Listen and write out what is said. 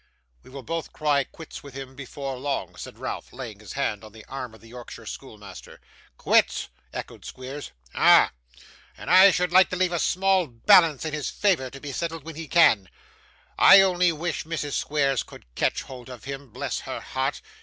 'We will both cry quits with him before long,' said Ralph, laying his hand on the arm of the Yorkshire schoolmaster. 'Quits!' echoed Squeers. 'Ah! and I should like to leave a small balance in his favour, to be settled when he can. I only wish Mrs. Squeers could catch hold of him. Bless her heart!